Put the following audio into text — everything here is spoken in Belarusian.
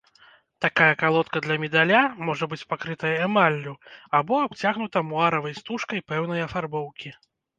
Такая калодка для медаля можа быць пакрытая эмаллю, або абцягнута муаравай стужкай пэўнай афарбоўкі.